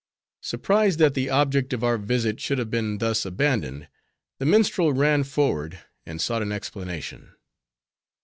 Surprised that the object of our visit should have been thus abandoned, the minstrel ran forward, and sought an explanation.